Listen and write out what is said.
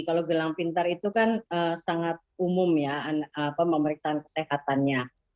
kalau gelang pintar itu kan sangat umum ya pemeriksaan kesehatannya